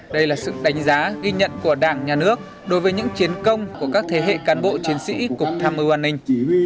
đây là sự đánh giá ghi nhận của đảng nhà nước đối với những chiến công của các thế hệ cán bộ chiến sĩ cục tham mưu an ninh